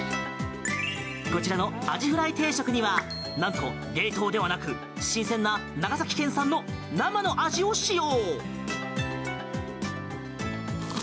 こちらのあじフライ定食にはなんと冷凍ではなく新鮮な長崎県産の生のアジを使用！